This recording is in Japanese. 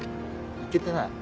行けてない。